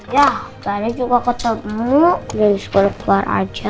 ya barangnya juga ketemu udah di sekolah keluar aja